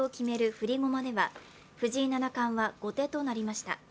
振り駒では藤井七冠は後手となりました。